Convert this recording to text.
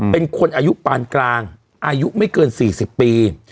เป็นคนอายุปานกลางอายุไม่เกิน๔๐ปี